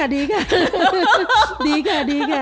ดีค่ะ